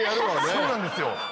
そうなんですよ。